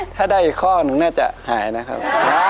ถ้าได้อีกข้อหนึ่งน่าจะหายนะครับ